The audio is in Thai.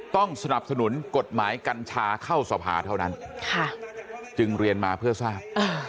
ต้องสนับสนุนกฎหมายกัญชาเข้าสภาเท่านั้นจึงเรียนมาเพื่อทราบ